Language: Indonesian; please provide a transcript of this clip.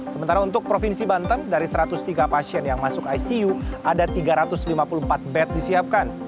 sementara untuk provinsi banten dari satu ratus tiga pasien yang masuk icu ada tiga ratus lima puluh empat bed disiapkan